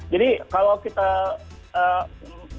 jadi kalau kita bicara tentang